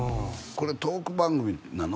これトーク番組なの？